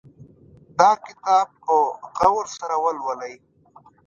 دا کتاب په غور سره ولولئ